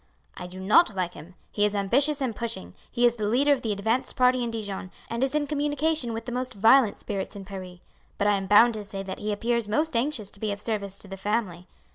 "I do not like him; he is ambitious and pushing, he is the leader of the advanced party in Dijon, and is in communication with the most violent spirits in Paris, but I am bound to say that he appears most anxious to be of service to the family.